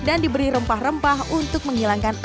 dan diberi rempah rempah untuk menghilangkan aroma amat